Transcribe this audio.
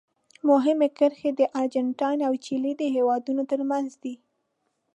مهمې کرښې د ارجنټاین او چیلي د هېوادونو ترمنځ دي.